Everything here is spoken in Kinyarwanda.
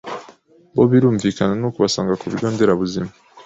bo birumvikana ni ukubasanga ku bigo nderabuzima